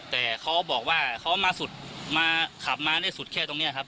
แต่เขาบอกว่าเขามาสุดมาขับมาได้สุดแค่ตรงนี้ครับ